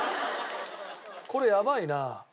これやばいな。